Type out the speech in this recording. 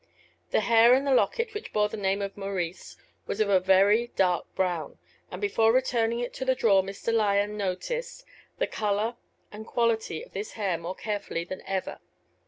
The hair in the locket which bore the name of Maurice was of a very dark brown, and before returning it to the drawer Mr. Lyon noted the color and quality of this hair more carefully than ever.